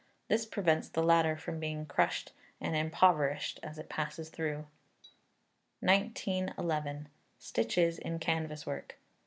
This prevents the latter from being crushed and impoverished as it passes through. 1911. Stitches in Canvas Work.